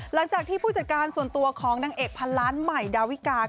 หลังจากที่ผู้จัดการส่วนตัวของนางเอกพันล้านใหม่ดาวิกา